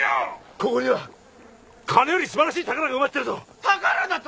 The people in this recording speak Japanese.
ここには金より素晴らしい宝が埋まってるぞ宝だと？